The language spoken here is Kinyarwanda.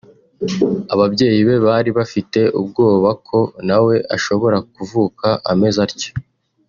ababyeyi be bari bafite ubwoba ko na we ashobora kuvuka ameze atyo